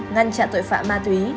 ngăn chặn tội phạm ma túy